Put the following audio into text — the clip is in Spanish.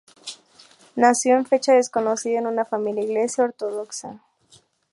Nació en fecha desconocida en una familia iglesia ortodoxa.